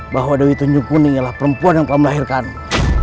bahwa dewi tunjungkuni ialah perempuan yang telah melahirkanmu